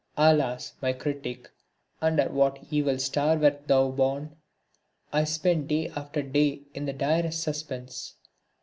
Alas, my critique, under what evil star wert thou born! I spent day after day in the direst suspense.